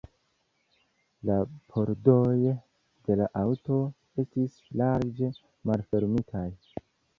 La pordoj de la aŭto estis larĝe malfermitaj.